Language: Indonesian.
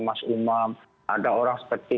mas umam ada orang seperti